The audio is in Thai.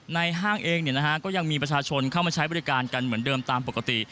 ห้างเองก็ยังมีประชาชนเข้ามาใช้บริการกันเหมือนเดิมตามปกติ